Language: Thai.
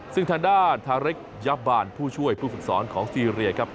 ซึ่งทางด้านทาเรคยับบานผู้ช่วยผู้ฝึกสอนของซีเรียครับ